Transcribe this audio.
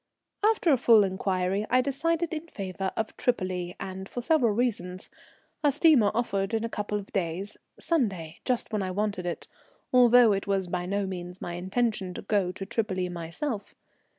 After full inquiry I decided in favour of Tripoli, and for several reasons. A steamer offered in a couple of days, Sunday, just when I wanted it, although it was by no means my intention to go to Tripoli myself.